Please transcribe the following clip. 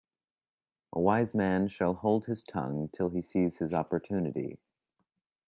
A wise man shall hold his tongue till he sees his opportunity.